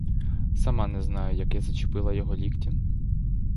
Сама не знаю, як я зачепила його ліктем.